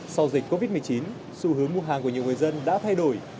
sau dịch covid một mươi chín xu hướng mua hàng của nhiều người dân đã thay đổi